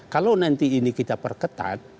kalau nanti ini kita perketat